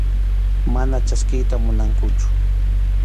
Mana chaskiyta munankuchu.